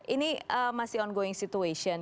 ini masih ongoing situation